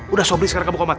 udah sobri sekarang kamu komat